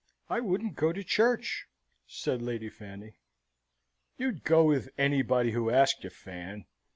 "I wouldn't go to church," said Lady Fanny. "You'd go with anybody who asked you, Fan!"